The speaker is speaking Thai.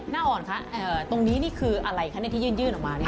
อ่อนคะตรงนี้นี่คืออะไรคะที่ยื่นออกมา